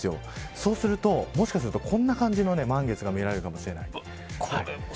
そうすると、もしかするとこんな感じの満月が見られるかもしれない。